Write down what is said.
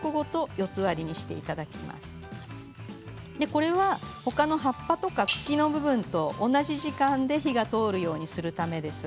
これはほかの葉っぱとか茎の部分と同じ時間で火が通るようにするためです。